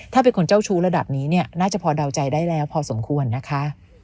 ถ้าเป็นคนเจ้าชู้ระดับนี้เนี่ยน่าจะพอเดาใจได้แล้วพอสมควรนะคะ